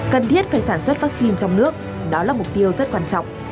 cần thiết phải sản xuất vaccine trong nước đó là mục tiêu rất quan trọng